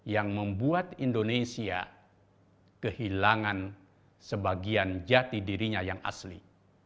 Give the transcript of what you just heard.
yang membuat indonesia kehilangan sebagian jati dirinya yang asli